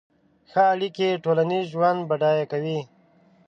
ښه اړیکې ټولنیز ژوند بډای کوي.